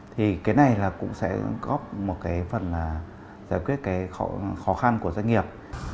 thì cái này cũng sẽ góp một phần giải quyết khó khăn của doanh nghiệp